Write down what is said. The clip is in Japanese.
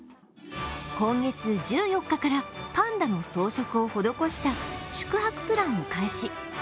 今月１４日からパンダの装飾を施した宿泊プランを開始。